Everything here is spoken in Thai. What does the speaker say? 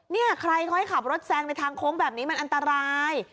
นี่ใครเขาให้ขับรถแซงในทางโค้งแบบนี้มันอันตราย